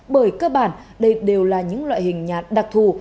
bởi cơ bản đây đều là những loại hình nhạc đặc thù